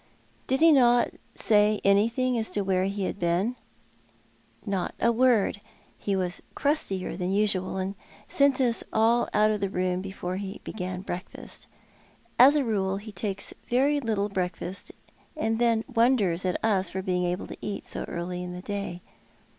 "Did he say not ling as to where he had been ?" "Not a word. He was crustier than usual, and sent us all out of the room before he began breakfast. As a rule he takes very little breakfast, and wonders at us for being able to eat so early iu the day.